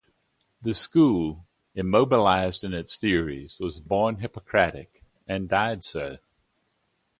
The School, immobilized in its theories, was born Hippocratic and died so.